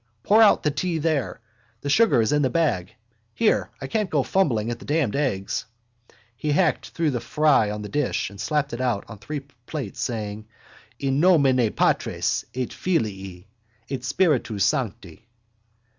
Pour out the tea there. The sugar is in the bag. Here, I can't go fumbling at the damned eggs. He hacked through the fry on the dish and slapped it out on three plates, saying: —_In nomine Patris et Filii et Spiritus Sancti.